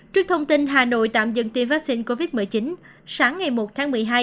trước thông tin hà nội tạm dừng tiêm vaccine covid một mươi chín sáng ngày một tháng một mươi hai